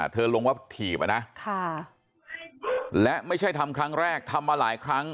ลงว่าถีบอะนะและไม่ใช่ทำครั้งแรกทำมาหลายครั้ง